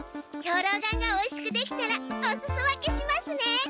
兵糧丸がおいしく出来たらおすそ分けしますね。